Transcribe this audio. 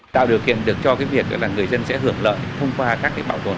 tạo điều kiện được cho cái việc là người dân sẽ hưởng lợi thông qua các cái bảo tồn